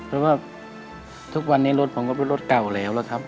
เพราะว่าทุกวันนี้รถผมก็เป็นรถเก่าแล้วแล้วครับ